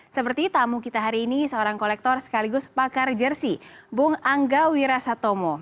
seperti tamu kita hari ini seorang kolektor sekaligus pakar jersi bung angga wirasatomo